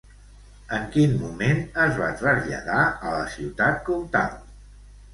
En quin moment es va traslladar a la ciutat comtal?